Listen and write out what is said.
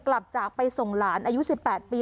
กลับจากไปส่งหลานอายุ๑๘ปี